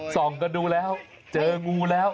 ส่องกันดูแล้วเจองูแล้ว